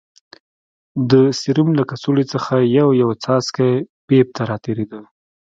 د سيروم له کڅوړې څخه يو يو څاڅکى پيپ ته راتېرېده.